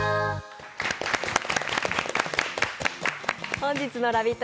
本日のラヴィット！